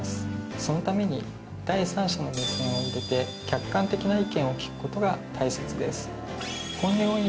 そのために第三者の目線を入れて。を聞くことが大切です。